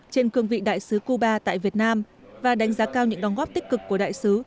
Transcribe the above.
trên cương vị đại sứ cuba tại việt nam và đánh giá cao những đóng góp tích cực của đại sứ